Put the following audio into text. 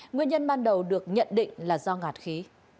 nguyên nhân ban đầu được nhận định là do ngạt khí